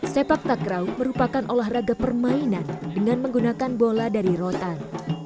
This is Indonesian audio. sepak takraw merupakan olahraga permainan dengan menggunakan bola dari rotan